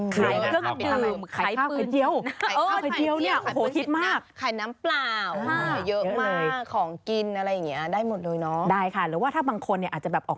เครื่องแห้งครับ